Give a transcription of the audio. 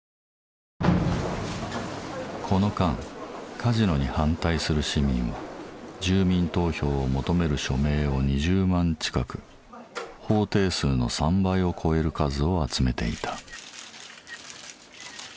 この間カジノに反対する市民は住民投票を求める署名を２０万近く法定数の３倍を超える数を集めていた。